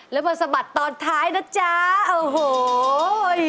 แล้วมาสะบัดตอนท้ายนะจ๊ะโอ้โห